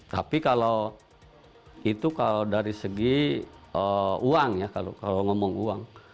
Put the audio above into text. tapi kalau itu kalau dari segi uang ya kalau ngomong uang